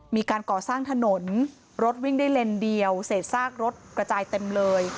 มีการก่อสร้างถนนรถวิ่งได้เลนเดียวเศษซากรถกระจายเต็มเลย